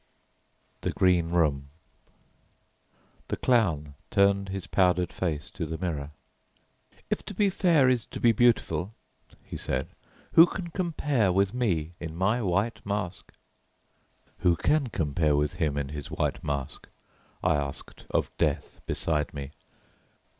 THE GREEN ROOM The Clown turned his powdered face to the mirror. "If to be fair is to be beautiful," he said, "who can compare with me in my white mask?" "Who can compare with him in his white mask?" I asked of Death beside me.